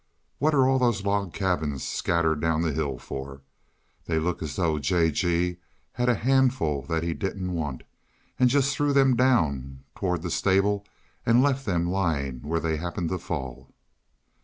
"What are all those log cabins scattered down the hill for? They look as though J. G. had a handful that he didn't want, and just threw them down toward the stable and left them lying where they happened to fall."